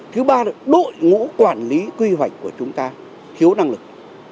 thứ ba là đội ngũ quản lý quy hoạch của chúng ta thiếu năng lực